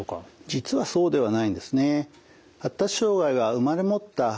実はそうではないんですね。